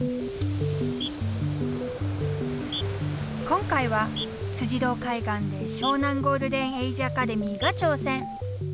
今回は堂海岸で湘南ゴールデンエイジアカデミーがちょうせん！